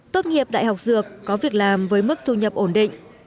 tốt nghiệp đại học dược có việc làm với mức thu nhập ổn định